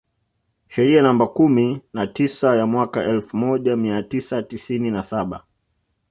Sheria namba kumi na tisa ya mwaka elfu moja mia tisa tisini na saba